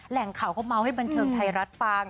แหล่งข่าวก็เมาให้บรรเทิงไทยรัฐฟัง